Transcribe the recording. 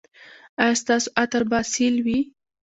ایا ستاسو عطر به اصیل وي؟